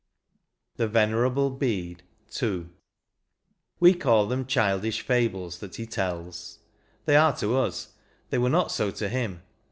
THE VENERABLE BEDE. — II. We call them childish fables that he tells ; They are to us, they were not so to him.